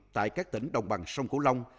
tại các tỉnh đồng bằng sông củ long